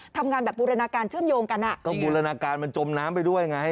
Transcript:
ทำงานแบบบูรณาการเชื่อมโยงกันอ่ะก็บูรณาการมันจมน้ำไปด้วยไง